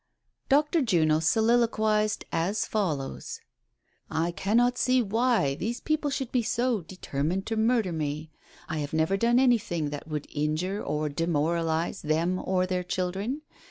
Dr. Juno soliloquized as follows :" I cannot see why these people should be so determined to murder me ; I have never done anything that would in jure or demoralize them or their children.